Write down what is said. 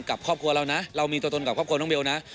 กับครอบครัวเรานะเรามีตัวตนกับครอบครัวน้องเบลนะ